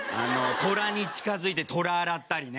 トラに近付いてトラ洗ったりね。